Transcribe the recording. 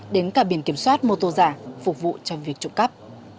đến cả biển kiểm soát mô tô giả phục vụ trong việc trộm cắp